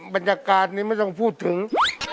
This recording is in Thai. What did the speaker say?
บรรยากาศนี้ไม่ต้องพูดถึง